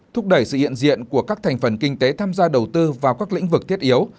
thúc đẩy sự hiện diện của các thành phần kinh tế tham gia đầu tư vào các lĩnh vực thiết yếu